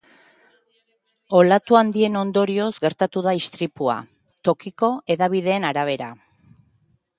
Olatu handien ondorioz gertatu da istripua, tokiko hedabideen arabera.